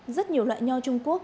rất nhiều loại nho trung quốc